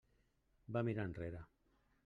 Va mirar enrere.